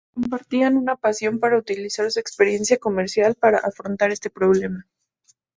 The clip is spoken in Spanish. Compartían una pasión para utilizar su experiencia comercial para afrontar este problema.